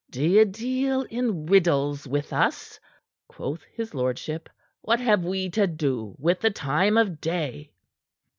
"Do ye deal in riddles with us?" quoth his lordship. "What have we to do with the time of day?"